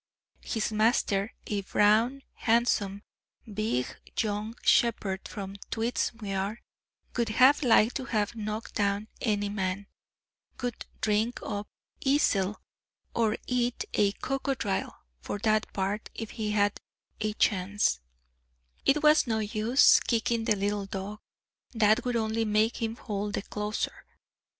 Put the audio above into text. His master, a brown, handsome, big young shepherd from Tweedsmuir, would have liked to have knocked down any man, would "drink up Esil, or eat a crocodile," for that part, if he had a chance; it was no use kicking the little dog; that would only make him hold the closer.